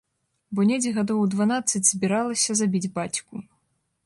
Бо недзе гадоў у дванаццаць збіралася забіць бацьку.